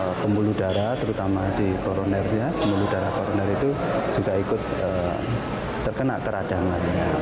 buat pembuluh darah terutama di koronernya pembuluh darah koronernya itu juga ikut terkena keradangan